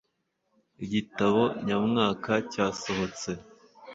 igitabo nyamwaka cyasohotse